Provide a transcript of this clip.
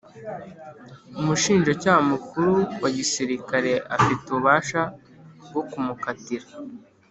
Umushinjacyaha mukuru wa gisirikare afite ububasha bwo kumukatira